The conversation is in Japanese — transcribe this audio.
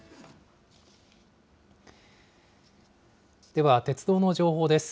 では、鉄道の情報です。